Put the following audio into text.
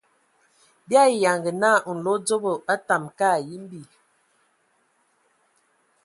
Bii ayi yanga naa nlodzobo a tamǝ ka yimbi.